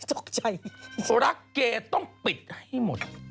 ผู้จัดชื่อดังรักเกย์ต้องปิดให้หมด